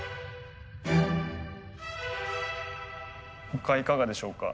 他いかがでしょうか？